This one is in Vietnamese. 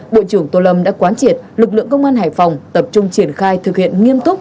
bộ trưởng tô lâm đã quán triệt lực lượng công an hải phòng tập trung triển khai thực hiện nghiêm túc